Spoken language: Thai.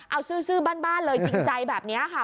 เอาซื่อบ้านเลยจริงใจแบบนี้ค่ะ